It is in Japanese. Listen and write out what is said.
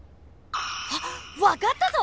あっわかったぞ！